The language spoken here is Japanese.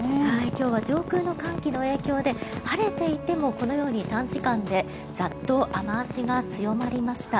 今日は上空の寒気の影響で晴れていてもこのように短時間でザッと雨脚が強まりました。